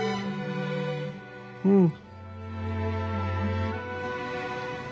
うん。